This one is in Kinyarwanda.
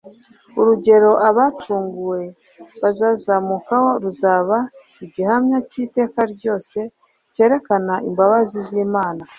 Urugero abacurnguwe bazazamukaho ruzaba igihamya cy'iteka ryose cyerekana imbabazi z'Imana. "